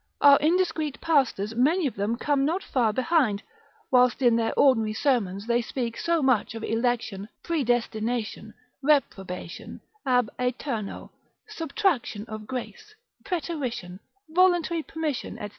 Our indiscreet pastors many of them come not far behind, whilst in their ordinary sermons they speak so much of election, predestination, reprobation, ab aeterno, subtraction of grace, preterition, voluntary permission, &c.